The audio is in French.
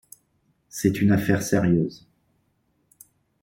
C’est une affaire sérieuse.